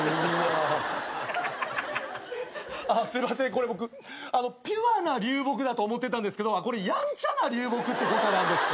これ僕ピュアな流木だと思ってたんですけどこれやんちゃな流木ってことなんですか？